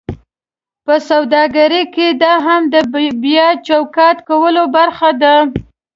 په سوداګرۍ کې دا هم د بیا چوکاټ کولو برخه ده: